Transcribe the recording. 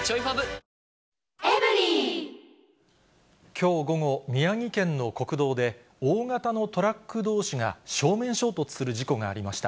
きょう午後、宮城県の国道で、大型のトラックどうしが正面衝突する事故がありました。